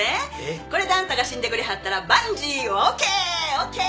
これであんたが死んでくれはったら万事ＯＫ！ＯＫ！